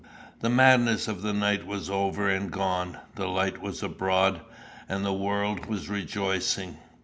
The madness of the night was over and gone; the light was abroad, and the world was rejoicing.